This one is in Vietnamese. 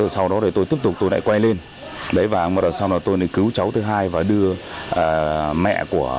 sau đó tôi tiếp tục quay lên sau đó tôi cứu cháu thứ hai và đưa mẹ của